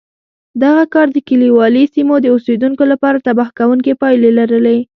دغه کار د کلیوالي سیمو د اوسېدونکو لپاره تباه کوونکې پایلې لرلې